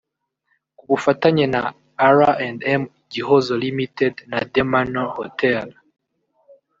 Ku bufatanye na R&M Gihozo Ltd na The Mannor Hotel